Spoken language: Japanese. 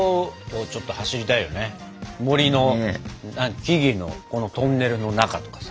森の木々のトンネルの中とかさ。